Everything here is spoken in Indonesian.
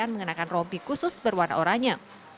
seakan mengenakan rompi khusus berwarna oranya